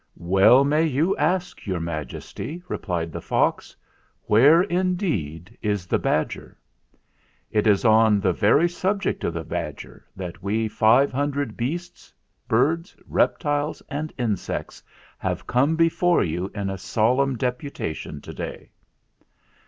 "Well may you ask, Your Majesty," replied the fox. "Where, indeed, is the badger? It is on the very subject of the badger that we five hundred beasts, birds, reptiles, and insects have come before you in a solemn deputation to day."